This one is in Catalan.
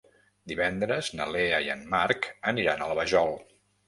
Divendres na Lea i en Marc aniran a la Vajol.